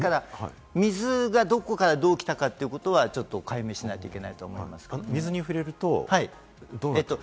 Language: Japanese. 水がどこからどう来たかということは解明しないといけないと思い水に触れるとどうなるんですか？